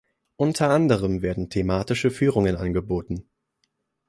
Unter anderem werden thematische Führungen angeboten.